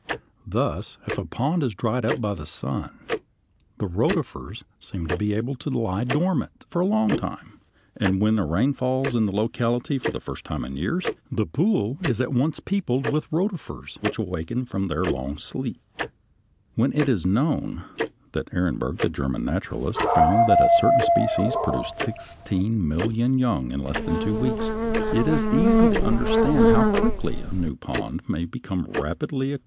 Thus if a pond is dried up by the sun, the rotifers seem to be able to lie dormant for a long time, and when a rain falls in the locality for the first time in years, the pool is at once peopled with rotifers which awaken from their long sleep. When it is known that Ehrenberg, the German naturalist, found that a certain species produced sixteen million young in less than two weeks, it is easy to understand how quickly a new pond might become rapidly equipped with a large population. [Illustration: FIG.